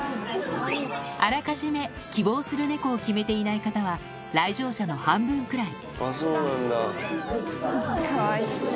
あらかじめ希望する猫を決めていない方は来場者の半分くらい。